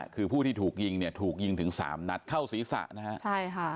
คือผู้ที่ถูกยิงถูกยิงถึง๓นัดเข้าศีรษะนะครับ